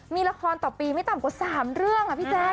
มีละครต่อปีไม่ต่ำกว่า๓เรื่องพี่แจ๊ค